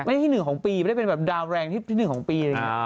ไม่ได้ที่หนึ่งของปีไม่ได้เป็นแบบดาวแรงที่หนึ่งของปี